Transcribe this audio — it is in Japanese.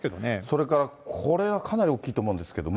それからこれはかなり大きいと思うんですけども。